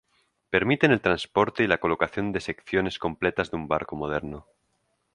Permiten el transporte y la colocación de secciones completas de un barco moderno.